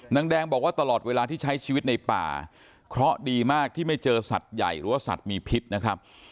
แดงบอกว่าตลอดเวลาที่ใช้ชีวิตในป่าเคราะห์ดีมากที่ไม่เจอสัตว์ใหญ่หรือว่าสัตว์มีพิษนะครับ